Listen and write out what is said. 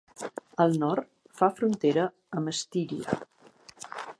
Al nord fa frontera amb Estíria.